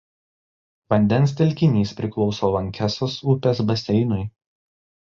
Vandens telkinys priklauso Lankesos upės baseinui.